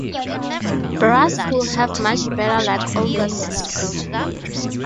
Brask would have much better luck overseas.